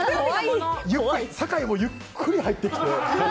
酒井もゆっくり入ってきて。